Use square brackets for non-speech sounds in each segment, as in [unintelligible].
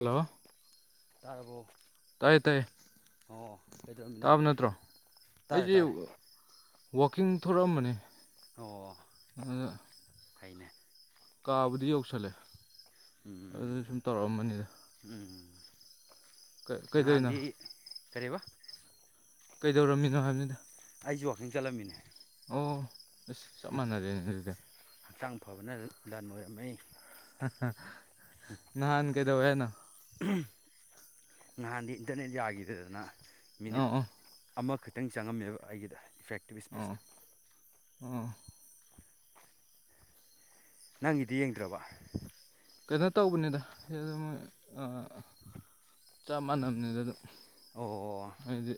hello ꯇꯥꯔꯕꯣ ꯑꯣ ꯀꯩꯗꯧꯔꯝꯃꯤꯅꯣ ꯇꯥꯕ ꯅꯠꯇ꯭ꯔꯣ ꯇꯥꯔꯦ ꯑꯩꯁꯦ ꯇꯥꯔꯦ ꯋꯥꯀꯤꯡ ꯊꯣꯔꯛꯑꯝꯕꯅꯤ ꯑꯣ ꯑꯗꯨꯗ ꯐꯩꯅꯦ ꯀꯥꯕꯨꯗꯤ ꯌꯧꯁꯜꯂꯦ ꯎꯝ ꯎꯝ ꯑꯗꯨꯗ ꯁꯨꯝ ꯇꯧꯔꯛꯑꯝꯕꯅꯤꯗ ꯎꯝ ꯀꯩꯗꯧꯔꯤꯅꯣ ꯉꯍꯥꯟꯗꯤ ꯀꯔꯤꯕ ꯀꯩꯗꯧꯔꯝꯃꯤꯅꯣ ꯍꯥꯏꯕꯅꯤꯗ ꯑꯩꯁꯦ ꯋꯥꯛꯀꯤꯡ ꯆꯠꯂꯝꯃꯤꯅꯦ ꯑꯣ ꯆꯞ ꯃꯥꯟꯅꯗꯦ ꯑꯗꯨꯗ ꯍꯛꯆꯥꯡ ꯐꯕꯅ ꯂꯟ ꯑꯣꯏꯔꯝꯃꯤ ꯅꯍꯥꯟ ꯀꯩꯗꯧꯋꯦꯅ ꯅꯍꯥꯟꯗꯤ ꯏꯟꯇꯔꯅꯦꯠ ꯌꯥꯈꯤꯗꯗꯅ ꯃꯤꯅꯤꯠ ꯑꯣ ꯑꯣ ꯑꯃꯈꯛꯇꯪ ꯆꯪꯉꯝꯃꯦꯕ ꯑꯩꯒꯤꯗ ꯏꯐꯦꯛꯇꯤꯞ ꯑꯣ ꯏꯁꯄꯤꯁꯇꯣ ꯑꯣ ꯅꯪꯒꯤꯗꯤ ꯌꯦꯡꯗ꯭ꯔꯕ ꯀꯩꯅꯣ ꯇꯧꯕꯅꯤꯗ [unintelligible] ꯆꯞ ꯃꯥꯟꯅꯕꯅꯤꯗ ꯑꯗꯨꯝ ꯑꯣ ꯍꯥꯏꯗꯤ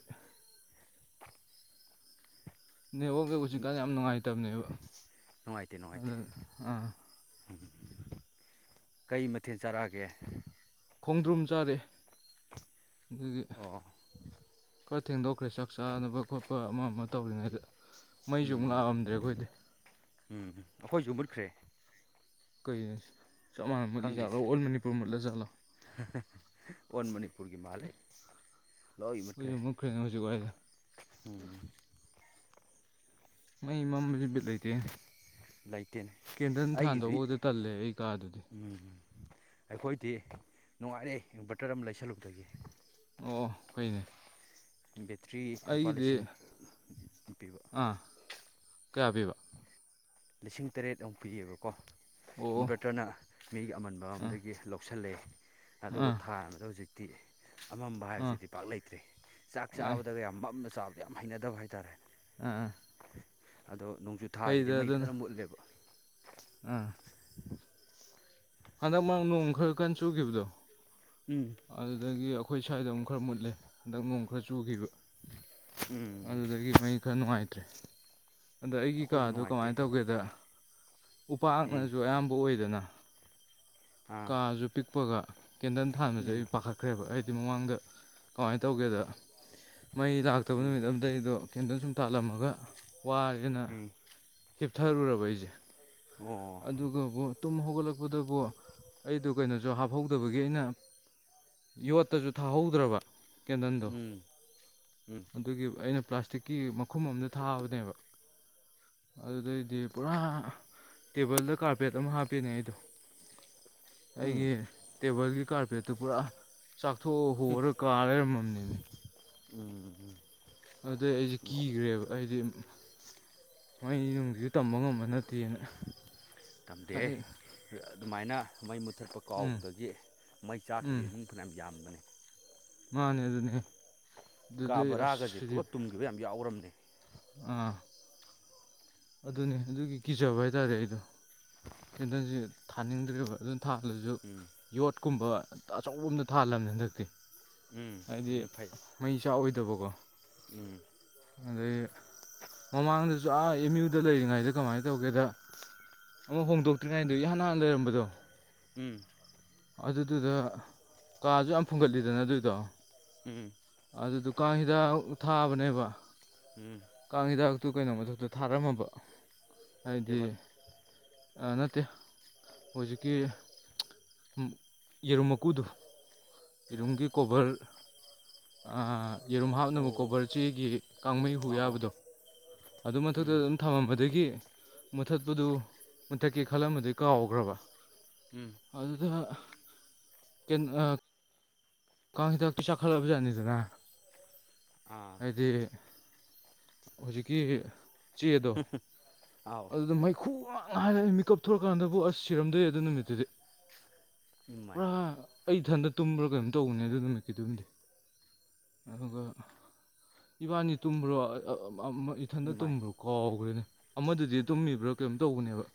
ꯅꯦꯠꯑꯣꯔꯛ ꯍꯧꯖꯤꯛꯀꯥꯟ ꯌꯥꯝ ꯅꯨꯡꯉꯥꯏꯇꯕꯅꯦꯕ ꯑꯗꯨꯅ ꯑꯥ ꯎꯝ ꯀꯩ ꯃꯊꯦꯜ ꯆꯥꯔꯛꯑꯒꯦ ꯈꯣꯡꯗ꯭ꯔꯨꯝ ꯆꯥꯔꯛꯑꯦ ꯑꯗꯨꯒꯤ ꯑꯣ ꯈꯔ ꯊꯦꯡꯗꯣꯛꯈ꯭ꯔꯦ ꯆꯥꯅꯕ ꯈꯣꯠꯄ ꯑꯃ ꯑꯃ ꯇꯧꯔꯤꯉꯩꯗ ꯃꯩꯁꯨ ꯑꯃꯨꯛ ꯎꯝ ꯂꯥꯛꯑꯝꯗ꯭ꯔꯦ ꯑꯩꯈꯣꯏꯗꯤ ꯎꯝ ꯑꯩꯈꯣꯏꯁꯨ ꯃꯨꯠꯈ꯭ꯔꯦ ꯀꯩ [unintelligible] ꯆꯞ ꯃꯥꯟꯅ ꯃꯨꯠꯂꯤꯖꯥꯠꯂꯣ ꯈꯪꯗꯦꯁꯦ ꯑꯣꯜ ꯃꯅꯤꯄꯨꯔ ꯃꯨꯠꯂꯤ ꯖꯥꯠꯂꯣ ꯑꯣꯟ ꯃꯅꯤꯄꯨꯔꯒꯤ ꯃꯥꯜꯂꯦ ꯑꯩꯈꯣꯏꯖꯨ ꯃꯨꯠꯈ꯭ꯔꯦ ꯍꯧꯖꯤꯛꯋꯥꯏꯗ ꯎꯝ ꯃꯩ ꯃꯝꯝꯕꯁꯦ ꯕꯤꯠ ꯂꯩꯇꯦ ꯂꯩꯇꯦꯅꯦ ꯀꯦꯟꯗꯜ ꯑꯩꯒꯤꯗꯤ ꯊꯥꯟꯗꯧꯕꯗ ꯇꯜꯂꯦ ꯑꯩ ꯀꯥꯗꯨꯗꯤ ꯎꯝ ꯑꯩꯈꯣꯏꯗꯤ ꯅꯨꯡꯉꯥꯏꯔꯦ ꯏꯟꯚꯔꯇꯔ ꯑꯃ ꯂꯩꯁꯜꯂꯨꯕꯗꯒꯤ ꯑꯣ ꯐꯩꯅꯦ ꯕꯦꯇ꯭ꯔꯤ ꯂꯨꯄꯥ ꯂꯤꯁꯤꯡ ꯑꯩꯒꯤꯗꯤ [unintelligible] ꯄꯤꯕ ꯑꯥ ꯀꯌꯥ ꯄꯤꯕ ꯂꯤꯁꯤꯡ ꯇꯔꯦꯠꯃꯨꯛ ꯄꯤꯌꯦꯕꯀꯣ ꯑꯣ ꯏꯟꯚꯔꯇꯔꯅ ꯃꯤꯒꯤ ꯑꯃꯟꯕ ꯑꯥ ꯑꯃꯗꯒꯤ ꯂꯧꯁꯤꯜꯂꯛꯑꯦ ꯑꯥ ꯑꯗꯨꯒꯕꯨ ꯊꯥꯟꯕꯗ ꯍꯧꯖꯤꯛ ꯇꯤ ꯑꯃꯝꯕ ꯑꯥ ꯍꯥꯏꯁꯤꯗꯤ ꯄꯥꯛ ꯂꯩꯇ꯭ꯔꯦ ꯆꯥꯛ ꯑꯥꯏ ꯆꯥꯕꯗꯒ ꯌꯥꯝ ꯃꯝꯅ ꯆꯥꯕ ꯌꯥꯝ ꯍꯩꯅꯗꯕ ꯍꯥꯏꯇꯥꯔꯦ ꯑꯥ ꯑꯗꯣ ꯅꯣꯡꯖꯨ ꯊꯥꯁꯤꯗꯤ ꯐꯩꯗ ꯃꯩ ꯑꯗꯨꯅ ꯐꯖꯅ ꯃꯨꯠꯂꯦꯕ ꯑꯥ ꯍꯟꯗꯛ ꯃꯥ ꯅꯣꯡ ꯈꯔ ꯀꯟ ꯆꯨꯈꯤꯕꯗꯣ ꯎꯝ ꯑꯗꯨꯗꯒꯤ ꯑꯩꯈꯣꯏ ꯁ꯭ꯋꯥꯏꯗ ꯑꯃꯨꯛ ꯈꯔ ꯃꯨꯠꯂꯦ ꯍꯟꯗꯛ ꯑꯃꯨꯛ ꯈꯔ ꯆꯨꯈꯤꯕ ꯎꯝ ꯑꯗꯨꯗꯒꯤ ꯃꯩ ꯈꯔ ꯅꯨꯡꯉꯥꯏꯇ꯭ꯔꯦ ꯑꯗ ꯑꯩꯒꯤ ꯑꯩꯈꯣꯏꯁꯨ ꯀꯥꯗꯣ ꯅꯨꯡꯉꯥꯏꯇꯦ ꯀꯃꯥꯏ ꯇꯧꯒꯦꯗ ꯎꯝ ꯎꯄꯥꯛꯅꯁꯨ ꯑꯌꯥꯝꯕ ꯑꯣꯏꯗꯅ ꯑꯥ ꯀꯥꯖꯨ ꯄꯤꯛꯄꯒ ꯀꯦꯟꯗꯜ ꯎꯝ ꯗꯩ ꯄꯥꯈꯠꯈ꯭ꯔꯦꯕ ꯑꯩꯗꯤ ꯃꯃꯥꯡꯗ ꯀꯃꯥꯏꯅ ꯇꯧꯒꯦꯗ ꯃꯩ ꯂꯥꯛꯇꯕ ꯎꯝ ꯅꯨꯃꯤꯠ ꯑꯝ ꯑꯗꯩꯗꯣ ꯀꯦꯟꯗꯜ ꯁꯨꯝ ꯇꯥꯜꯂꯝꯃꯒ ꯋꯥꯔꯦꯅ ꯎꯝ ꯍꯤꯞꯊꯔꯨꯔꯕ ꯑꯩꯁꯦ ꯑꯣ ꯑꯗꯨꯒꯕꯨ ꯇꯨꯝ ꯍꯧꯒꯠꯂꯛꯄꯗꯕꯨ ꯑꯩꯗꯣ ꯀꯩꯅꯣꯁꯨ ꯍꯥꯞꯍꯧꯗꯕꯒꯤ ꯑꯩꯅ ꯌꯣꯠꯇꯁꯨ ꯊꯥꯍꯧꯗ꯭ꯔꯕ ꯀꯦꯟꯗꯟꯗꯣ ꯎꯝ ꯎꯝ ꯑꯗꯨꯒꯤ ꯑꯩꯅ ꯄ꯭ꯂꯥꯁꯇꯤꯛꯀꯤ ꯈꯨꯈꯨꯝ ꯑꯝꯗ ꯊꯥꯕꯅꯦꯕ ꯑꯗꯨꯗꯩꯗꯤ ꯄꯨꯔꯥ ꯇꯦꯕꯜꯗ ꯀꯥꯔꯄꯦꯠ ꯑꯃ ꯍꯥꯞꯄꯅꯦ ꯑꯩꯗꯣ ꯎꯝ ꯑꯩꯒꯤ ꯇꯦꯕꯜꯒꯤ ꯀꯥꯔꯄꯦꯠꯇꯨ ꯄꯨꯔꯥ ꯆꯥꯛꯊꯣꯛ ꯍꯣꯔ ꯀꯥꯔ ꯂꯩꯔꯝꯃꯝꯅꯤꯃꯤ ꯎꯝ ꯎꯝ ꯑꯗꯨꯗꯩ ꯑꯩꯁꯦ ꯀꯤꯈ꯭ꯔꯦꯕ ꯑꯩꯗꯤ ꯅ ꯅꯨꯡꯁꯤꯁꯨ ꯇꯝꯕ ꯉꯝꯃꯅꯤ ꯇꯝꯗꯦ ꯑꯩ ꯑꯗꯨꯃꯥꯏꯅ ꯃꯩ ꯃꯨ ꯀꯨꯊꯠꯄ ꯎꯝ ꯀꯥꯎꯕꯗꯒꯤ ꯃꯩ ꯆꯥꯈꯤꯕ ꯎꯝ ꯏꯃꯨꯡ ꯐꯅꯌꯥꯝ ꯌꯥꯝꯕꯅꯦ ꯃꯥꯅꯦ ꯑꯗꯨꯅꯦ ꯀꯥ ꯑꯗꯨꯗꯩ ꯕ ꯑꯁ ꯔꯥꯒꯁꯦ ꯁꯤꯗꯤ ꯄꯨꯂꯞ ꯇꯨꯝꯒꯤꯈꯤꯕ ꯌꯥꯝ ꯌꯥꯎꯔꯝꯅꯦ ꯑꯥ ꯑꯗꯨꯅꯦ ꯑꯗꯨꯒꯤ ꯀꯤꯖꯕ ꯍꯥꯏꯇꯥꯔꯦ ꯑꯩꯗꯣ ꯀꯦꯟꯗꯜꯁ ꯊꯥꯅꯤꯡꯗ꯭ꯔꯦꯕ ꯑꯗꯨ ꯊꯥꯜꯂꯁꯨ ꯎꯝ ꯌꯣꯠꯀꯨꯝꯕ ꯑꯆꯧꯕ ꯑ ꯑꯃꯇ ꯊꯥꯜꯂꯝꯕꯅꯤ ꯍꯟꯗꯛꯇꯤ ꯎꯝ ꯍꯥꯏꯗꯤ ꯑꯗꯨ ꯐꯩ ꯃꯩ ꯆꯥꯛꯑꯣꯗꯕꯀꯣ ꯎꯝ ꯑꯗꯩ ꯃꯃꯥꯡꯗꯁꯨ ꯑꯥ ꯑꯦꯝ ꯌꯨ ꯑꯗꯨꯗ ꯂꯩꯔꯤꯉꯩꯗ ꯀꯃꯥꯏꯅ ꯇꯧꯒꯦꯗ ꯑꯃꯨꯛ ꯍꯣꯡꯗꯣꯛꯇ꯭ꯔꯤꯉꯩꯗ ꯏꯍꯥꯟ ꯍꯥꯟꯅ ꯂꯩꯔꯝꯕꯗꯣ ꯎꯝ ꯑꯗꯨꯗꯨꯗ ꯀꯥꯁꯨ ꯌꯥꯝ ꯐꯨꯡꯒꯠꯂꯤꯗꯅ ꯑꯗꯨꯏꯗꯣ ꯎꯝ ꯑꯗꯨ ꯗꯨꯀꯥꯟꯁꯤꯗ ꯊꯥꯕꯅꯦꯕ ꯎꯝ ꯀꯥꯡ ꯍꯤꯗꯥꯛꯇꯨ ꯀꯩꯅꯣ ꯃꯊꯛꯇ ꯊꯥꯔꯝꯃꯕ ꯍꯥꯏꯗꯤ ꯇꯦꯕꯜ ꯅꯠꯇꯦ ꯍꯧꯖꯤꯛꯀꯤ ꯌꯦꯔꯨꯝ ꯃꯀꯨꯗꯨ ꯏꯔꯨꯝꯒꯤ ꯀꯣꯕꯔ ꯌꯦꯔꯨꯝ ꯍꯥꯞꯅꯕ ꯑꯣ ꯀꯣꯕꯔ ꯆꯦꯒꯤ ꯀꯥꯡꯍꯩ ꯍꯨ ꯑꯣ ꯑꯣ ꯑꯣ ꯌꯥꯕꯗꯣ ꯑꯗꯨ ꯎꯝ ꯃꯊꯛꯇꯗ ꯑꯗꯨꯝ ꯊꯝꯃꯝꯕꯗꯒꯤ ꯃꯨꯠꯊꯠꯄꯗꯨ ꯃꯨꯊꯠꯀꯦ ꯈꯜꯂꯝꯕꯗꯨꯏ ꯀꯥꯎꯈ꯭ꯔꯕ ꯎꯝ ꯑꯗꯨꯗ ꯀ ꯀꯁꯤꯗ ꯄꯤꯁ ꯆ ꯈꯂꯕꯕꯨꯖꯥꯅꯤꯗꯅ ꯑꯥ ꯍꯥꯏꯗꯤ ꯍꯧꯖꯤꯛꯀꯤ ꯆꯦ ꯑꯗꯣ ꯑꯥꯎ ꯑꯗꯨꯗ ꯃꯩꯈꯨ ꯉꯥꯛꯅ ꯍꯥꯏꯔꯛꯑꯦ ꯃꯤꯀꯞ ꯊꯣꯛꯧꯛꯀꯥꯟꯗꯕꯨ ꯑꯁ ꯁꯤꯔꯝꯗꯣꯏꯦ ꯑꯗꯨ ꯅꯨꯃꯤꯠꯇꯨꯗꯤ ꯏꯃꯥꯏ ꯄꯨꯔꯥ ꯑꯩ ꯏꯊꯟꯗ ꯇꯨꯝꯕ꯭ꯔꯥ ꯀꯩꯅꯣꯝ ꯇꯧꯕꯅꯦ ꯑꯗꯨ ꯅꯨꯃꯤꯠꯀꯤ ꯑꯗꯨꯝꯗꯤ ꯑꯗꯨꯒ ꯏꯕꯥꯅꯤ ꯇꯨꯝꯕ꯭ꯔꯣ ꯏꯊꯟꯇ ꯏꯃꯥꯏ ꯇꯨꯝꯕ꯭ꯔꯣ ꯀꯥꯎꯈ꯭ꯔꯅꯦ ꯑꯃꯗꯨꯗꯤ ꯇꯨꯝꯃꯤꯕ꯭ꯔꯥ ꯀꯔꯤꯝ ꯇꯧꯕꯅꯦꯕ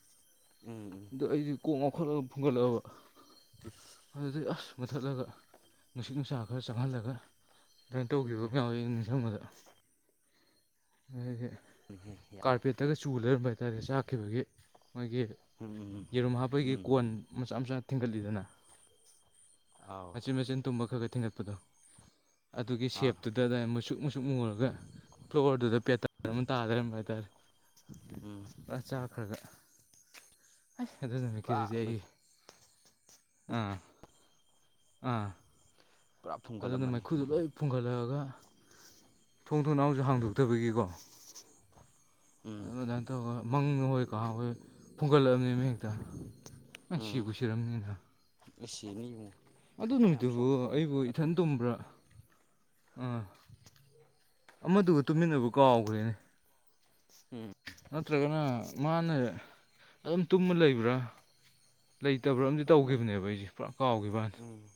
ꯎꯝ ꯎꯝ ꯑꯗꯣ ꯑꯩꯗꯤ ꯀꯣꯛ ꯉꯥꯎꯈꯠꯂꯒ ꯐꯨꯒꯠꯂꯛꯑꯕ ꯏꯁ ꯑꯗꯨꯩ ꯑꯁ ꯃꯨꯊꯠꯂꯒ ꯅꯨꯡꯁꯤꯠ ꯅꯨꯡꯁꯥ ꯈꯔ ꯆꯪꯍꯜꯂꯒ ꯑꯗꯨꯃꯥꯏꯅ ꯇꯧꯈꯤꯕ ꯏꯃꯥꯏꯅꯦꯍꯦ ꯃꯌꯥꯝ ꯅꯤꯡꯁꯤꯡꯕꯗ ꯀꯔꯄꯦꯠ ꯌꯥꯝꯃꯦ ꯍꯈꯤꯛꯇꯒ ꯆꯨ ꯂꯩꯔꯝꯕ ꯍꯥꯏꯇꯥꯔꯦ ꯆꯥꯛꯈꯤꯕꯒꯤ ꯃꯣꯏꯒꯤ ꯍꯝ ꯌꯦꯔꯨꯝ ꯍꯥꯞꯄꯒꯤ ꯀꯣꯟ ꯃꯆꯥ ꯃꯆꯥ ꯊꯤꯡꯒꯠꯂꯤꯗꯅ ꯑꯥꯎ ꯃꯆꯤꯟ ꯃꯆꯤꯟ ꯇꯨꯝꯕ ꯈꯔ ꯈ ꯊꯤꯟꯒꯠꯄꯗꯣ ꯑꯗꯨꯒꯤ ꯑꯥ ꯁꯦꯞꯇꯨꯗ ꯑꯗꯨ ꯃꯆꯁꯨꯛ ꯃꯆꯁꯨꯛ ꯃꯨꯔꯒ ꯐ꯭ꯂꯣꯔꯗꯨꯗ ꯄꯦꯇꯔꯟ ꯑꯃ ꯇꯥꯗꯔꯝꯕ ꯍꯥꯏꯇꯥꯔꯦ ꯎꯝ ꯄꯨ ꯆꯥꯈ꯭ꯔꯒ ꯍ ꯑꯗꯨ ꯄꯨꯔꯥ ꯅꯨꯃꯤꯠꯀꯤꯗꯨꯗꯤ ꯑꯩꯒꯤ ꯃꯩꯈꯨ ꯎꯝ ꯑꯥ ꯄꯨꯔꯥ ꯑꯗꯨꯅ ꯐꯨꯝꯒꯠꯂꯝꯃꯅꯤ ꯃꯩꯈꯨꯗꯨꯣ ꯂꯣꯏ ꯐꯨꯡꯒꯠꯂꯛꯑꯒ ꯊꯣꯡ ꯊꯣꯡꯅ ꯑꯃꯁꯨ ꯍꯥꯡꯗꯣꯛꯇꯕꯒꯤꯀꯣ ꯎꯝ ꯑꯗꯨꯃꯥꯏꯅ ꯇꯧꯔꯒ ꯃꯪ ꯍꯣꯏ ꯀꯍꯥ ꯍꯣꯏ ꯐꯨꯒꯠꯂꯛꯑꯕꯅꯤ ꯃ ꯍꯦꯛꯇ ꯑꯁ ꯁꯤꯕꯨꯨ ꯁꯤꯔꯝꯅꯤꯗ ꯑꯦꯁ ꯑꯦꯅꯤꯃꯨꯡ [inaudible] ꯑꯗꯨ ꯅꯨꯃꯤꯠꯗꯨꯕꯨ ꯑꯩꯕꯨ ꯏꯊꯟ ꯇꯨꯝꯕ꯭ꯔꯥ ꯑꯥ ꯑꯃꯗꯨꯒ ꯇꯨꯃꯤꯟꯅꯕ ꯀꯥꯎꯈ꯭ꯔꯦꯅꯦ ꯎꯝ ꯅꯠꯇ꯭ꯔꯒꯅ ꯃꯥꯅ ꯑꯗꯨꯝ ꯇꯨꯝꯃ ꯂꯩꯕ꯭ꯔꯥ ꯂꯩꯇꯕ꯭ꯔꯥ ꯑꯃꯗꯤ ꯁꯣꯛꯑꯝꯃꯣꯏꯗ ꯇꯧꯈꯤꯕꯅꯦꯕ ꯑꯩꯁꯦ ꯄꯨꯔꯥ ꯀꯥꯎꯈꯤꯕꯩ ꯋꯥꯅꯦ ꯎꯝ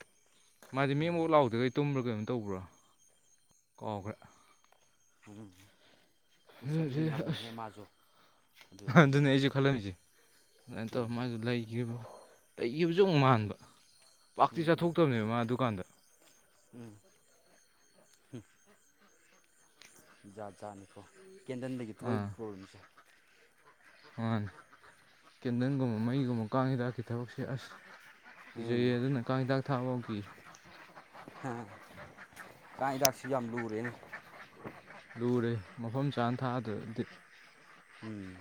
ꯃꯥꯗꯤ ꯃꯦꯃꯨꯛ ꯎꯝ ꯂꯥꯎꯗꯒꯩ ꯇꯨꯝꯕ꯭ꯔꯥ ꯀꯩꯅꯣ ꯇꯧꯕ꯭ꯔꯣ ꯀꯥꯎꯈ꯭ꯔꯦ ꯑꯝ ꯏꯁꯁ ꯑꯗꯨꯗꯤ ꯉꯝꯃꯤꯍꯦ ꯃꯥꯁꯨ ꯑꯗꯨꯗ ꯑꯗꯨꯅꯤ ꯇꯨꯝꯃꯗꯤ ꯑꯩꯁꯨ ꯈꯜꯂꯝꯃꯤꯁꯦ ꯑꯗꯨꯃꯥꯏꯅ ꯇꯧꯔ ꯎꯝ ꯃꯥꯁꯨ ꯂꯩ ꯑꯩꯒꯤꯕꯨꯁꯨ ꯑꯃꯨꯛ ꯃꯥꯟꯕ ꯄꯥꯛꯇꯤ ꯎꯝ ꯎꯝ ꯆꯠꯊꯣꯛꯇꯕꯅꯦꯕ ꯃꯥ ꯗꯨꯀꯥꯟꯗ ꯎꯝ ꯖꯥꯠ ꯆꯥꯅꯤꯀꯣ ꯀꯦꯟꯗꯟꯗꯒꯤ ꯑꯥ ꯊꯣꯛꯏꯕ ꯄ꯭ꯔꯣꯕ꯭ꯂꯦꯝꯁꯦ ꯃꯥꯅꯦ ꯀꯦꯟꯗꯜꯒꯨꯝꯕ ꯃꯩꯒꯨꯝꯕ ꯀꯥꯡ ꯍꯤꯗꯥꯛꯀꯤ ꯊꯕꯛꯁꯦ ꯑꯁ ꯀꯤꯖꯩꯌꯦ ꯎꯝ ꯑꯗꯨꯅ ꯀꯥꯡ ꯍꯤꯗꯥꯛ ꯊꯥ ꯐꯥꯎꯈꯤ ꯀ ꯇꯁꯤ ꯌꯥꯝ ꯂꯔꯦꯅ ꯂꯨꯔꯦ ꯃꯐꯝ ꯆꯥꯅ ꯊꯥꯗꯦ ꯑꯗꯨꯗꯤ ꯎꯝ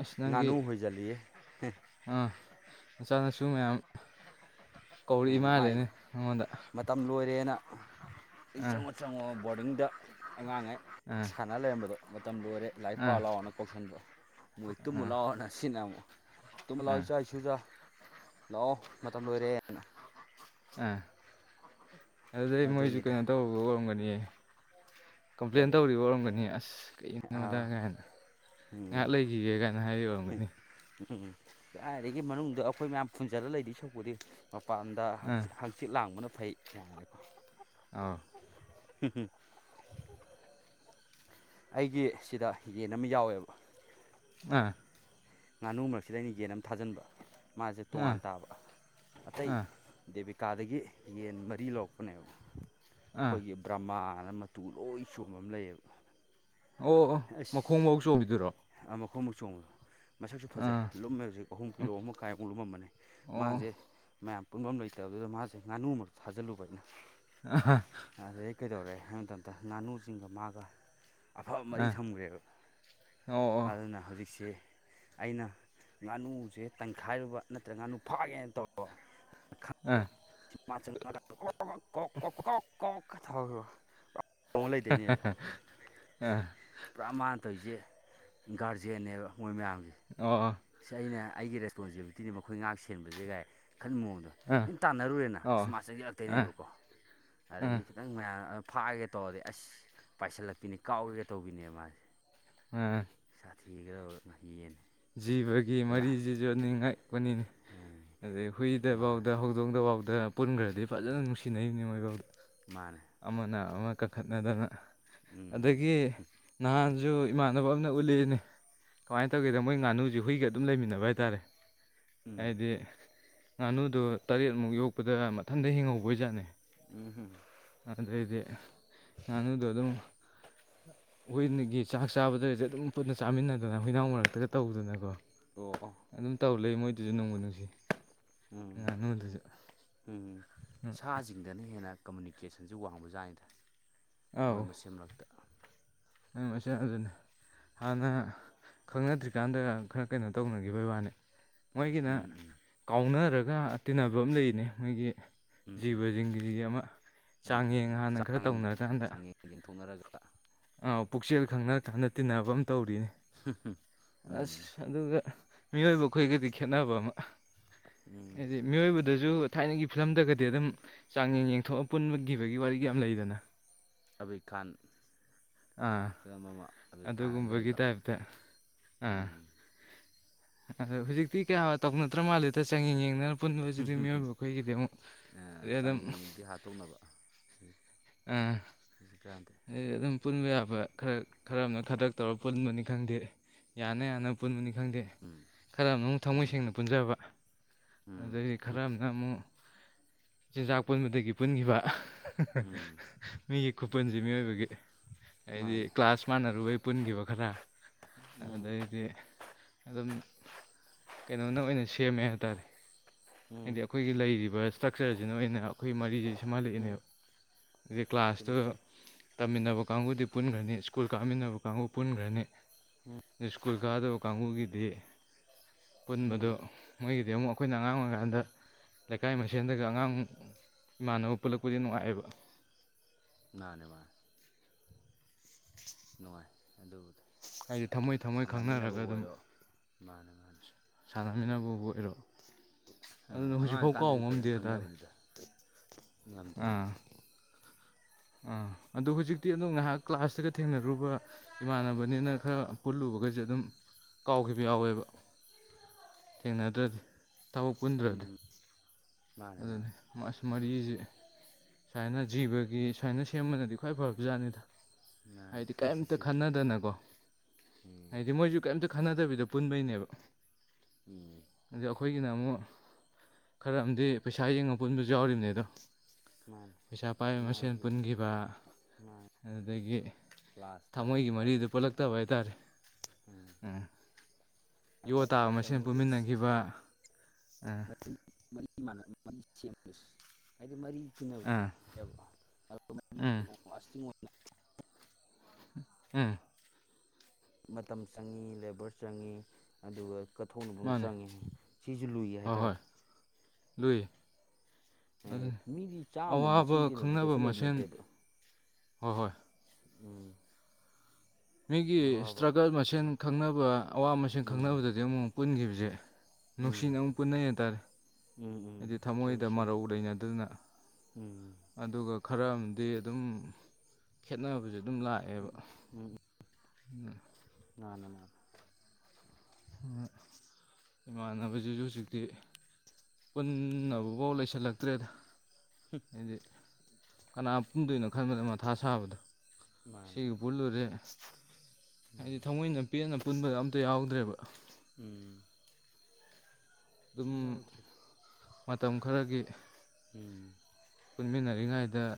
ꯑꯁ ꯅꯪꯒꯤ ꯉꯥꯅꯨ ꯍꯣꯏꯖꯜꯂꯤꯌꯦ ꯑꯥ ꯃꯆꯥꯅꯁꯨ ꯃꯌꯥꯝ ꯀꯧꯔꯛꯏ ꯎꯝ ꯃꯥꯏ ꯃꯥꯜꯂꯦꯅꯦ ꯅꯪꯉꯣꯟꯗ ꯃꯇꯝ ꯂꯣꯏꯔꯦꯅ ꯑꯥ ꯆꯪꯉꯣ ꯕꯣꯔꯗꯤꯡꯗ ꯑꯉꯥꯡꯉꯩ ꯑꯥ ꯁꯥꯟꯅ ꯂꯩꯔꯝꯕꯗꯣ ꯃꯇꯝ ꯂꯣꯏꯔꯦ ꯂꯥꯏꯔꯤꯛ ꯑꯥ ꯄꯥꯎ ꯂꯥꯎꯔꯅ ꯀꯧꯁꯟꯗꯔꯣ ꯃꯣꯏ ꯇꯨꯝꯃ ꯑꯥ ꯂꯥꯎꯔꯅ ꯁꯤꯟꯅꯔꯝꯃꯣ ꯇꯨꯝꯃ ꯂꯥꯛꯑꯣ ꯑꯥ ꯏꯆꯥ ꯏꯁꯨꯖꯥ ꯂꯥꯛꯑꯣ ꯃꯇꯝ ꯂꯣꯏꯔꯦ ꯑ ꯑꯗꯨꯗꯩ ꯃꯣꯏꯁꯨ ꯑꯗꯨꯅꯤꯗ ꯀꯩꯅꯣ ꯇꯧꯕ ꯑꯣꯏꯔꯝꯒꯅꯤꯌꯦ ꯀꯝꯄ꯭ꯂꯦꯟ ꯀꯔꯤ ꯇꯧꯔꯤ ꯑꯣꯏꯔꯝꯒꯅꯤ ꯑꯁ ꯀꯩ ꯀꯩꯅꯣꯗ ꯑꯥ ꯀꯥꯏꯅ ꯉꯥꯏꯍꯥꯛ ꯂꯩꯈꯤꯒꯦ ꯀꯥꯏꯅ ꯍꯥꯏꯔꯝꯒꯅꯤ ꯑꯝ ꯀꯥꯏꯗꯒꯤ ꯃꯅꯨꯡꯗ ꯑꯩꯈꯣꯏ ꯃꯌꯥꯝ ꯐꯨꯟꯖꯜꯂꯒ ꯂꯩꯗꯨꯢ ꯁꯔꯨꯛꯄꯨꯗꯤ ꯃꯄꯥꯟꯗ ꯑꯥ ꯍꯥꯛꯆꯤꯡ ꯂꯥꯡꯕꯅ ꯐꯩ ꯀꯥꯢꯅꯀꯣ ꯑꯥꯎ ꯍꯨꯝ ꯍꯨꯝ ꯑꯩꯒꯤ ꯁꯤꯗ ꯌꯦꯟ ꯑꯃ ꯌꯥꯎꯋꯦꯕ ꯑꯥ ꯉꯥꯅꯨ ꯃꯔꯛꯁꯤꯗ ꯑꯩꯅ ꯌꯦꯟ ꯑꯃ ꯊꯥꯖꯤꯟꯕ ꯃꯥꯁꯦ ꯑꯥ ꯇꯣꯉꯥꯟ ꯇꯥꯕ ꯑꯇꯩ ꯑꯥ ꯗꯦꯕꯤꯠ ꯀꯥꯗꯒꯤ ꯌꯦꯟ ꯃꯔꯤ ꯂꯧꯔꯛꯄꯅꯦꯕ ꯑꯥ ꯑꯩꯈꯣꯏꯒꯤ ꯇꯔꯃꯥꯅ ꯃꯇꯨ ꯂꯣꯏ ꯆꯣꯝꯕ ꯑꯃ ꯂꯩꯌꯦꯕ ꯑꯣ ꯑꯣ ꯃꯈꯣꯡ ꯕꯥꯎ ꯆꯣꯝꯕꯤꯗꯨꯔꯣ ꯑꯥ ꯃꯈꯣꯡ ꯐꯥꯎ ꯆꯣꯝꯕꯤꯗꯨꯔꯣ ꯃꯁꯛꯁꯨ ꯐꯖꯩ ꯑꯥ ꯂꯨꯝꯃꯦ ꯍꯧꯖꯤꯛ ꯀꯤꯂꯣ ꯑꯍꯨꯝ ꯀꯤꯂꯣ ꯑꯃ ꯀꯥꯏꯃꯨꯛ ꯂꯨꯝꯃꯝꯕꯅꯦ ꯑꯣ ꯃꯥꯁꯦ ꯑꯥ ꯃꯌꯥꯝ ꯄꯨꯟꯕꯝ ꯂꯩꯇꯕꯗꯨꯗ ꯃꯥꯁꯦ ꯉꯥꯅꯨꯃꯔꯛ ꯊꯥꯖꯤꯜꯂꯨꯕ ꯑꯩꯅ ꯑꯥ ꯍꯥ ꯑꯗꯨꯗꯩ ꯀꯩꯗꯧꯔꯦ ꯍꯥꯏꯕ ꯃꯇꯝꯗ ꯉꯥꯅꯨꯁꯤꯡꯒ ꯃꯥꯒ ꯑꯐꯕ ꯃꯔꯤ ꯑꯥ ꯊꯝꯈ꯭ꯔꯦꯕ ꯑꯣ ꯑꯣ ꯑꯗꯨꯅ ꯍꯧꯖꯤꯛꯁꯤ ꯑꯩꯅ ꯉꯥꯅꯨꯁꯦ ꯇꯪꯈꯥꯏꯔꯨꯕ ꯅꯠꯇ꯭ꯔꯒ ꯉꯥꯅꯨ ꯐꯥꯒꯦꯅ ꯇꯧꯔꯕ ꯑꯥ ꯀ ꯀ ꯀ ꯀ ꯀ ꯀ ꯊ [inaudible] ꯈꯣꯡꯉꯥ ꯂꯩꯗꯣꯏꯅꯦꯕ ꯑ ꯄꯨꯔꯥ ꯃꯥꯅ ꯇꯧꯔꯤꯁꯦ ꯒꯥꯔꯖꯦꯟꯅꯦꯕ ꯃꯣꯏ ꯃꯌꯥꯝꯒꯤ ꯑꯣ ꯁꯤ ꯑꯩꯅ ꯑꯩꯒꯤ ꯔꯦꯁꯄꯣꯟꯁꯤꯕꯤꯂꯤꯇꯤꯅꯤ ꯃꯈꯣꯏ ꯉꯥꯛ ꯁꯦꯟꯕꯁꯦꯒꯥꯏ ꯈꯟ ꯃꯑꯣꯡꯗꯣ ꯈꯤꯟ ꯇꯥꯟꯅꯔꯨꯔꯦꯅ ꯏꯁ ꯑꯣ ꯃꯥ ꯑ ꯆꯪꯖꯜꯂꯛꯇꯣꯏꯅꯦꯕꯀꯣ ꯑꯗꯒꯤ ꯑ ꯈꯤ ꯈꯤꯇꯪ ꯃꯌꯥꯝ ꯑꯗꯨ ꯐꯥꯒꯦꯒ ꯇꯧꯔꯗꯤ ꯑꯁ ꯄꯥꯏꯁꯤꯜꯂꯛꯄꯤꯅꯤ ꯀꯥꯎꯒꯦꯒꯥ ꯇꯧꯕꯤꯅꯦꯕ ꯃꯥꯁꯦ ꯑꯥ ꯑꯥ ꯑꯥ ꯁꯥꯊꯤꯒ꯭ꯔꯕ ꯉꯥꯍꯤ ꯌꯦꯟꯅꯦ ꯖꯤꯕꯒꯤ ꯃꯔꯤꯖꯤꯖꯨ ꯅꯤꯡꯉꯛꯄꯅꯤꯅꯤ ꯑꯗꯩ ꯃꯥꯅꯦ ꯍꯨꯏꯗꯕꯥꯎꯗ ꯍꯧ ꯍꯧꯗꯣꯡꯗꯐꯥꯎꯗ ꯄꯨꯟꯒ꯭ꯔꯗꯤ ꯐꯖꯅ ꯅꯨꯡꯁꯤꯅꯔꯤꯅꯤ ꯃꯣꯏꯕꯥꯎꯗ ꯃꯥꯅꯦ ꯑꯃꯅ ꯑꯃ ꯀꯟꯈꯠꯅꯗꯅ ꯎꯝ ꯑꯗꯒꯤ ꯅꯍꯥꯟꯖꯨ ꯏꯃꯥꯟꯅꯕ ꯑꯃꯅ ꯎꯠꯂ‌ꯦꯑꯦꯅꯦ ꯀꯃꯥꯏꯅ ꯇꯧꯒꯦꯗ ꯃꯣꯏ ꯉꯥꯅꯨꯖꯤ ꯍꯨꯏꯒ ꯑꯗꯨꯝ ꯂꯩꯃꯤꯟꯅꯕ ꯍꯥꯏꯇꯥꯔꯦ ꯎꯝ ꯍꯥꯏꯗꯤ ꯉꯥꯅꯨꯗꯣ ꯇꯔꯦꯠꯃꯨꯛ ꯌꯣꯛꯄꯗ ꯃꯊꯟꯗ ꯍꯤꯡꯍꯧꯕꯖꯠꯅꯤ ꯎꯝ ꯍꯨꯝ ꯑꯗꯨꯗ‌ꯩꯗꯤ ꯉꯥꯅꯨꯗꫭ ꯑꯗꯨꯝ ꯑꯩꯈꯣꯏꯅꯒꯤ ꯆꯥꯛ ꯆꯥꯕꯗꯒꯁ‌ꯦ ꯑꯗꯨꯝ ꯄꯨꯟꯅ ꯆꯥꯃꯤꯟꯅꯗꯅ ꯍꯨꯏꯅꯥꯎ ꯃꯔꯛꯇꯒ ꯇꯧꯗꯅꯀꯣ ꯑꯣ ꯑꯣ ꯑꯗꯨꯝ ꯇꯧꯔ ꯂꯩ ꯃꯣꯏꯗꯨꯁꯨ ꯅꯨꯡꯕꯨ ꯅꯨꯡꯁꯤ ꯎꯝ ꯉꯥꯅꯨꯗꯨꯁꯨ ꯎꯝ ꯁꯥꯁꯤꯡꯗꯅ ꯍꯦꯟꯅ ꯀꯃꯨꯅꯤꯀꯦꯁꯟꯁꯤ ꯋꯥꯡꯕꯖꯥꯠꯅꯤꯗ ꯃꯣꯏ ꯃꯁꯦꯝ ꯃꯔꯛꯇꯥ ꯎ ꯃꯁꯦ ꯑꯗꯨꯖꯅꯦ [inaudible] ꯍꯥꯟꯅ ꯈꯪꯅꯗ꯭ꯔꯤꯀꯥꯟꯗ ꯈꯔ ꯀꯩꯅꯣ ꯇꯧꯅꯒꯤꯕꯩ ꯋꯥꯅꯤ ꯃꯣꯏꯒꯤꯅ ꯎꯝ ꯎꯝ ꯀꯥꯎꯅꯔꯒ ꯇꯤꯟꯅꯕ ꯑꯃ ꯂꯩꯅꯦ ꯃꯣꯏꯒꯤ ꯎꯝ ꯎꯝ ꯖꯤꯕꯁꯤꯡꯒꯤꯁꯤꯒꯤ ꯑꯃ ꯎꯝ ꯆꯥꯡꯌꯦꯡ ꯎꯝ ꯍꯥꯟꯅ ꯈꯔ ꯆꯥꯡꯌꯦꯡ ꯇꯧꯅꯔꯀꯥꯟꯗ ꯆꯥꯡꯌꯦꯡ ꯌꯦꯡꯊꯣꯛꯅꯔꯒ ꯑꯥ ꯄꯨꯛꯆꯦꯜ ꯈꯪꯅ ꯈꯪꯅ ꯇꯤꯟꯅꯕ ꯑꯃ ꯇꯧꯔꯤꯅ‌‌ꯦ ꯑꯁ ꯎꯝ ꯑꯗꯨꯒ ꯃꯤꯑꯣꯏꯕ ꯑꯈꫭꯏꯒꯗꯤ ꯈꯦꯠꯅꯕ ꯑꯃ ꯎꯝ ꯍꯥꯏꯗꯤ ꯃꯤꯑꯣꯏꯕꯗꯖꯨ ꯊꯥꯏꯅꯒꯤ ꯐꯤꯂꯝꯗꯒꯗꯤ ꯑꯗꯨꯝ ꯆꯥꯡꯌꯦꯡ ꯌꯦꯡꯊꯣꯛꯑ ꯄꯨꯟꯕꯒꯤꯕꯒꯤ ꯋꯥꯔꯤꯒ ꯌꯥꯝ ꯂꯩꯗꯅ ꯑꯕꯤꯔ ꯈꯥꯟ ꯑꯥ ꯐꯤꯂꯝ ꯑꯃ ꯑꯕꯤꯔꯈꯥꯟꯅ ꯑꯗꯨꯒꯨꯝꯕꯒꯤ ꯂꯩꯕꯗꯣ ꯇꯥꯏꯞꯇ ꯑꯥ ꯎꯝ ꯑꯗꯣ ꯍꯨꯖꯤꯛꯇꯤ ꯀꯌꯥ ꯇꯧꯅꯗ꯭ꯔ ꯃꯥꯜꯂꯦꯗ ꯆꯥꯡꯌꯦꯡ ꯌꯦꯡꯅꯔ ꯄꯨꯨꯟꯕꯖꯤꯗꯤ ꯃꯤꯑꯣꯏꯕ ꯑꯈꫭꯏꯒꯤꯗꯤ ꯑꯃꯨꯛ ꯑꯗꯩ ꯑꯗꯨꯝ ꯎꯍ ꯆꯥꯡꯌꯦꯡꯗꯤ ꯍꯥꯠꯇꯣꯛꯅꯕ ꯑꯥ ꯍꯧꯖꯤꯛ ꯀꯥꯟꯗꯦ ꯑꯗꯩꯗꯤ ꯑꯗꯨꯝ ꯄꯨꯟꯕ ꯌꯥꯕ ꯈꯔ ꯈꯔꯃꯅ ꯈꯗ꯭ꯔꯛ ꯇꯧꯔ ꯄꯨꯟꯕꯅꯤ ꯈꯪꯗꯦ ꯌꯥꯅ ꯌꯥꯅ ꯄꯨꯟꯕꯅꯤ ꯈꯪꯗꯦ ꯎꯝ ꯈꯔ ꯑꯃꯅꯃꯨꯛ ꯊꯃꯣꯏ ꯎꯝ ꯁꯦꯡꯅ ꯄꯨꯟꯖꯕ ꯎꯝ ꯑꯗꯨꯗꯩꯗꯤ ꯈꯔ ꯑꯃꯅ ꯑꯃꯨꯛ ꯆꯤꯟꯖꯥꯛ ꯄꯨꯟꯕꯗꯒꯤ ꯄꯨꯟꯒꯤꯕ ꯑꯍ ꯍꯍ ꯎꯝ ꯃꯤꯒꯤ ꯈꯨꯄꯨꯟꯖꯤ ꯃꯤꯑꯣꯏꯕꯒꯤ ꯍꯥꯏꯗꯤ ꯃꯥꯅꯦ ꯀ꯭ꯂꯥꯁ ꯃꯥꯟꯅꯔꯨꯕꯩ ꯄꯨꯟꯒꯤꯕ ꯈꯔ ꯎꯝ ꯑꯗꯩꯗꯤ ꯑꯗꯨꯝ ꯀꯩꯅꯣꯅ ꯑꯣꯏꯅ ꯁꯦꯝꯃꯦ ꯍꯥꯏꯇꯥꯔꯦ ꯎꯝ ꯍꯥꯏꯗꯤ ꯑꯩꯈꯣꯏꯒꯤ ꯂꯩꯔꯤꯕ ꯆꯛꯆꯔꯖꯤꯅ ꯑꯣꯏꯅ ꯑꯈꯣꯏꯒꯤ ꯃꯔꯤꯖ‌ꯦ ꯁ‌ꯦꯝꯍꯜꯂꯛꯏꯅꯦꯕ ꯎꯝ ꯍꯥꯏꯗꯤ ꯀ꯭ꯂꯥꯁꯇꯨ ꯆꯨꯝꯃꯤ ꯆꯨꯝ ꯇꯝꯃꯤꯟꯅꯕ ꯀꯥꯡꯒꯨꯗꯤ ꯄꯨꯟꯒ꯭ꯔꯅꯤ ꯁ꯭ꯀꯨꯜ ꯀꯥꯃꯤꯟꯅꯕ ꯀꯥꯡꯒꯨ ꯄꯨꯟꯒ꯭ꯔꯅꯤ ꯎꯝ ꯅ ꯁ꯭ꯀꯨꯜ ꯀꯥꯗꯕ ꯀꯥꯡꯒꯨꯒꯤꯗꯤ ꯎꯝ ꯄꯨꯟꯕꯗꫭ ꯃꯣꯏꯒꯤꯗꯤ ꯑꯃꯨꯛ ꯑꯈꯣꯏꯅ ꯑꯉꯥꯡ ꯑꯣꯏꯔꯤꯀꯥꯟꯗ ꯂꯩꯀꯥꯏ ꯃꯥ ꯁꯦꯟꯗꯒ ꯑꯉꯥꯡ ꯏꯃꯥꯟꯅꯕ ꯄꯨꯜꯂꯛꯄꯖ‌ꯦ ꯅꯨꯡꯉꯥꯏꯌ‌ꯦꯕ ꯃꯥꯅ‌ꯦ ꯃꯥꯅ‌ꯦ ꯅꯨꯡꯉꯥꯏ ꯑꯗꯨꯕꯨꯗꯤ ꯍꯥꯏꯗꯤ ꯊꯃꯣꯏ ꯊꯃꯣꯏ ꯈꯪꯅꯔꯒ ꯁꯥꯟꯅꯃꯤꯟꯅꯕꯕꯨ ꯑꯗꯨꯝ ꯑꯣꯏꯔꯣ ꯃꯥꯅꯦ ꯃꯥꯅꯦ ꯁꯥꯟꯅꯃꯤꯟꯅꯕꯕꯨ ꯑꯣꯏꯔꯣ ꯍꯑ ꯑꯗꯨꯅ ꯑꯉꯥꯡ ꯍꯧꯖꯤꯛꯐꯥꯎ ꯑꯣꯏꯔꯤ ꯀꯥꯎ ꯀꯥꯟꯗꯖꯨ ꯉꯝꯗꯦ ꯐꯖꯅ ꯍꯥꯏꯇꯥꯔꯦ ꯈꯪꯅꯕꯅꯤꯗ ꯉꯝꯗꯦ ꯑꯥ ꯉꯝꯗꯦ ꯑꯥ ꯑꯗꯨ ꯍꯨꯖꯤꯛꯇꯤ ꯑꯗꯨ ꯉꯥꯏꯍꯥꯛ ꯀ꯭ꯂꯥꯁꯇꯒ ꯊꯦꯡꯅꯔꯨꯕ ꯏꯃꯥꯟꯅꯕꯅꯤꯅ ꯈꯔ ꯄꯨꯜꯂꯨꯕꯒꯖ‌ꯦ ꯑꯗꯨꯝ ꯀꯥꯎꯈꯤꯕ ꯌꯥꯎꯋꯦꯕ ꯊꯦꯡꯅꯗ꯭ꯔꯗꯤ ꯊꯕꯛ ꯎꯝ ꯄꯨꯟꯗ꯭ꯔꯗꯤ ꯎꯝ ꯃꯥꯅꯦ ꯑꯗꯨꯅ‌ꯤ ꯃꯥꯅꯦ ꯑꯁ ꯃꯔꯤꯖꯦ ꯁꯥꯏꯅ ꯖꯤꯕꯒꯤ ꯃꯥꯅꯦ ꯁꯥꯏꯅ ꯁꯦꯝꯃꯒꯗꯤ ꯈ꯭ꯋꯥꯏ ꯐꯕ ꯖꯥꯠꯅꯤꯗ ꯍꯥꯏꯗꯤ ꯀꯩꯝꯇ ꯈꯟꯅꯗꯅꯀꯣ ꯎꯝ ꯍꯥꯏꯗꯤ ꯃꯣꯏꯁꯨ ꯀꯩꯝꯇ ꯈꯟꯅꯗꯕꯤꯗ ꯄꯨꯟꯕꯩꯅꯦꯕ ꯎꯝ ꯑꯗ ꯑꯩꯈꯣꯏꯒꯤꯅ ꯑꯃꯨꯛ ꯈꯔ ꯑꯝꯗꯤ ꯄꯩꯁꯥ ꯌꯦꯡꯉꯒ ꯄꯨꯟꯕꯖꯨ ꯌꯥꯎꯔꯤꯅ‌ꯦ ꯑꯗꯣ ꯃꯥꯅꯦ ꯄꯩꯁꯥ ꯄꯥꯏꯕ ꯃꯁꯦꯟ ꯃꯥꯒꯤ ꯄꯨꯟꯈꯤꯕ ꯃꯥꯅꯦ ꯑꯗꯨꯗꯒꯤ ꯂꯥꯁꯇ ꯊꯃꯣꯏꯒꯤ ꯃꯔꯤꯗꯨ ꯈꯥꯏꯗꯣꯛꯈꯤꯕ ꯄꯨꯜꯂꯛꯇꯕ ꯍꯥꯏꯇꯥꯔꯦ ꯎꯝ ꯌꯣ ꯑꯗ ꯇꯥꯕ ꯃꯁꯦꯟ ꯀꯩꯅꯣꯒꯤ ꯑꯁ ꯄꯨꯃꯤꯟꯅꯈꯤꯕ ꯑ ꯃꯔꯤ ꯃꯔꯤ ꯃꯥꯟꯅ ꯃꯔꯤ ꯁꯦꯝ ꯗꯣꯏꯁ ꯍꯥꯏꯗꯤ ꯃꯔꯤ ꯇꯤꯟꯅꯟꯕ ꯑꯥ ꯂꯧꯁꯤꯟꯕ ꯉꯝꯗꯕ ꯎꯝ ꯂꯣꯡ ꯂꯥꯁꯇꯤꯡ ꯑꯣꯏꯅ ꯎꯝ ꯃꯇꯝ ꯆꯪꯉꯤ ꯂꯦꯕꯔ ꯆꯪꯉꯤ ꯑꯗꯨꯒ ꯀꯠꯊꯣꯛꯅꯕꯝ ꯃꯥꯅꯦ ꯆꯪꯉꯤ ꯁꯤꯁꯨ ꯂꯨꯏ ꯍꯣꯏ ꯍꯣꯏ ꯍꯥꯏꯇꯥꯔꯦ ꯂꯨꯏ ꯑꯦ ꯑꯗꯨ ꯃꯤꯗꯤ ꯆꯥꯝꯃ ꯑꯋꯥꯕ ꯂꯤꯁꯤꯡ ꯇꯤꯟꯅꯕꯖ‌ꯦ ꯈꯪꯅꯕ ꯀꯩꯁꯨ ꯂꯩꯕ ꯃꯁꯦꯟ ꯅꯠꯇꯦꯕ ꯍꯣꯏ ꯍꯣꯏ ꯎꯝ ꯃꯤꯒꯤ ꯑꯋꯥꯕ ꯏꯁꯇ꯭ꯔꯒꯜ ꯃꯁꯦꯟ ꯎꯝ ꯈꯪꯅꯕ ꯑꯋꯥ ꯃꯁꯦꯟ ꯈꯪꯅꯕꯗꯗꯤ ꯑꯃꯨꯛ ꯄꯨꯟꯒꯤꯕꯖ‌ꯦ ꯎꯝ ꯅꯨꯡꯁꯤꯅ ꯑꯃꯨꯛ ꯄꯨꯟꯅꯩ ꯍꯥꯏꯇꯥꯔꯦ ꯎꯝ ꯎꯝ ꯍꯥꯏꯗꯤ ꯆꯨꯝꯃꯤ ꯊꯃꯣꯏꯗ ꯆꯨꯝꯃꯤ ꯃꯔꯧ ꯂꯩꯅꯗꯅ ꯎꯝ ꯑꯗꯨꯒ ꯈꯔ ꯑꯃꯗꯤ ꯑꯗꯨꯝ ꯈꯦꯠꯅꯕꯁꯦ ꯑꯗꯨꯝ ꯂꯥꯛꯑꯦꯕ ꯎꯝ ꯎꯝ ꯎꯝ ꯎꯝ ꯃꯥꯅꯦ ꯃꯥꯅꯦ ꯍꯣꯏ ꯏꯃꯥꯟꯅꯕꯁꯤꯁꯨ ꯍꯧꯖꯤꯛꯇꯤ ꯄꯨꯟꯅꯕꯥꯎ ꯂꯩꯁꯜꯂꯛꯇ꯭ꯔꯦꯗ ꯍꯥꯏꯗꯤ ꯀꯅꯥ ꯄꯨꯨꯟꯗꯣꯏꯅꯣ ꯈꯟꯕꯗ ꯃꯊꯥ ꯁꯥꯕꯗꯣ ꯃꯥꯅꯦ ꯁꯤꯒ ꯄꯨꯜꯂꯨꯔꯦ ꯍꯥꯏꯗꯤ ꯎꯝ ꯊꯃꯣꯏꯅ ꯄꯦꯟꯅ ꯄꯨꯟꯕ ꯑꯝꯇ ꯌꯥꯎꯗ꯭ꯔꯦꯕ ꯎꯝ ꯑꯗꯨꯝ ꯌꯥꯎꯗ꯭ꯔꯦꯗ ꯃꯇꯝ ꯈꯔꯒꯤ ꯎꯝ ꯄꯨꯟꯃꯤꯟꯅꯔꯤꯉꯩꯗ